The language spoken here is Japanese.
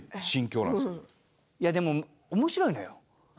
いやでも面白いのよ。